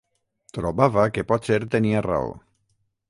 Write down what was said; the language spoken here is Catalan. Trobava que potser tenia raó.